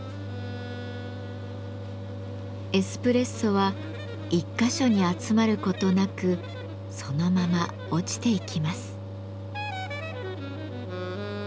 エスプレッソは１か所に集まることなくそのまま落ちていきます。